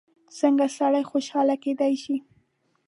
څنګه سړی خوشحاله کېدای شي؟